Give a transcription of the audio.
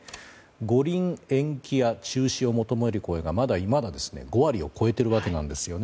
五輪延期や中止を求める声がいまだ５割を超えているわけですよね。